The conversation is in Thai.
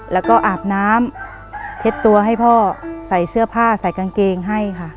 แล้วก็อาบน้ำเช็ดตัวให้พ่อใส่เสื้อผ้าใส่กางเกงให้ค่ะ